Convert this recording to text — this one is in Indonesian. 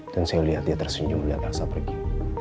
dan saya lihat dia tersenyum melihat rasa pergi